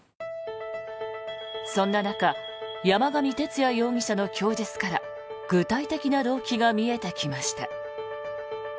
そんな中山上徹也容疑者の供述から具体的な動機が見えてきました。